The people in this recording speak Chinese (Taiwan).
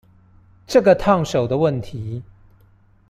這個燙手的問題